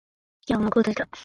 事件は幕を閉じた。